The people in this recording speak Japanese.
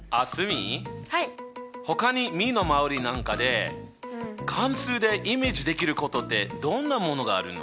ほかに身の回りなんかで関数でイメージできることってどんなものがあるの？